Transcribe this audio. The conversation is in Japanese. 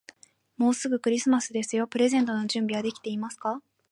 もうすぐクリスマスですよ。プレゼントの準備はできていますか。